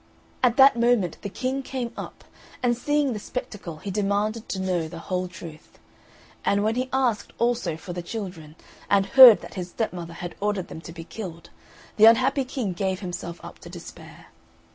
At that moment the King came up, and seeing the spectacle he demanded to know the whole truth; and when he asked also for the children, and heard that his stepmother had ordered them to be killed, the unhappy King gave himself up to despair.